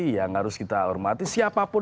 yang harus kita hormati siapapun